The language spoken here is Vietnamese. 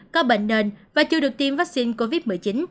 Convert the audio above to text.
có bệnh nền và chưa được tiêm vaccine covid một mươi chín